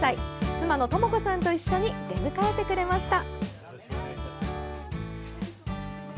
妻の知子さんと一緒に出迎えてくれました。